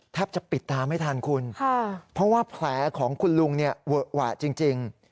จะปิดตาไม่ทันคุณเพราะว่าแผลของคุณลุงเนี่ยเวอะหวะจริง